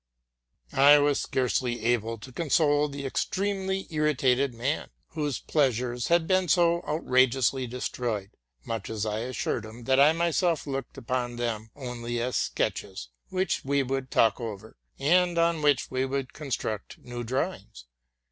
I was scarcely able to console the extremely irritated man, whose pleasures had been so outrageously destroyed, much as I assured him that I myself looked upon them only as sketches, which we would talk over, and on which we would construct new drawings.